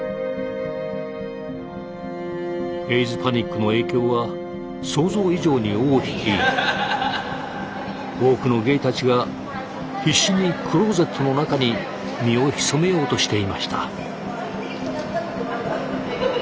エイズパニックの影響は想像以上に尾を引き多くのゲイたちが必死にクローゼットの中に身を潜めようとしていました。